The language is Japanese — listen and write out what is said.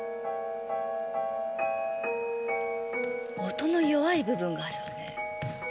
「」音の弱い部分があるわね。